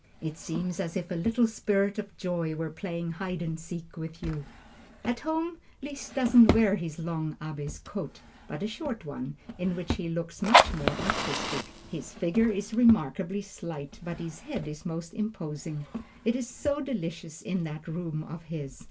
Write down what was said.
It seems as if a little spirit of joy were playing hide and go seek with you. At home Liszt doesn't wear his long Abbe's coat, but a short one, in which he looks much more artistic. His figure is remarkably slight, but his head is most imposing. It is so delicious in that room of his!